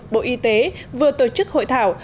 bộ y tế vừa tổ chức hội thảo